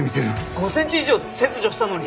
５センチ以上切除したのに？